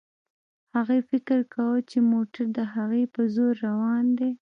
هغې فکر کاوه چې موټر د هغې په زور روان دی.